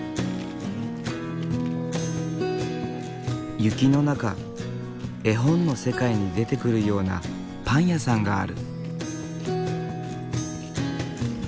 雪の中絵本の世界に出てくるようなパン屋さんがある。